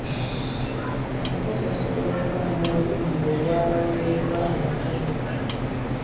Abakozi basobola okugaana oluwummula olubaweereddwa abakozesa.